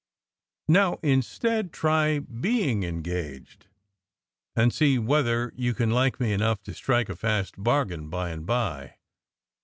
Now, instead, try being engaged, and see whether you can like me enough to strike a fast bargain by and by.